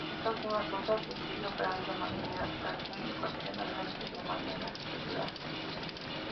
Esta última ruta se sigue operando de manera charter y ocasionalmente de manera regular.